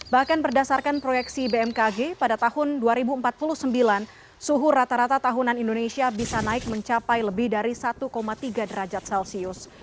bahkan berdasarkan proyeksi bmkg pada tahun dua ribu empat puluh sembilan suhu rata rata tahunan indonesia bisa naik mencapai lebih dari satu tiga derajat celcius